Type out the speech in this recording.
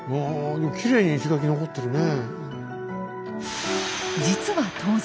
きれいに石垣残ってるね。